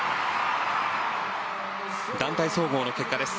団体総合の結果です。